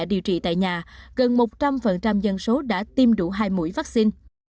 điều trị tại nhà gần một trăm linh dân số đã tiêm đủ hai mũi vaccine